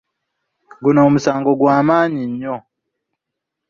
Guno omusango gw'amaanyi nnyo.